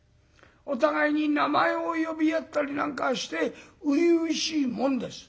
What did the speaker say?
お互いに名前を呼び合ったりなんかして初々しいもんです。